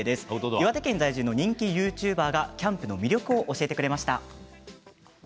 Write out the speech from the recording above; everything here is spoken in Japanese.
岩手県在住の人気ＹｏｕＴｕｂｅｒがキャンプの魅力を教えてくれました。